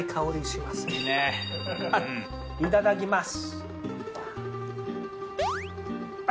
いただきます。